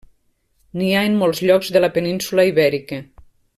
N'hi ha en molts llocs de la península Ibèrica.